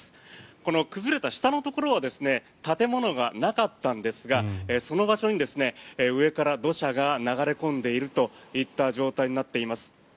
この崩れた下のところは建物がなかったんですがその場所に、上から土砂が流れ込んでいるといった状態になっています。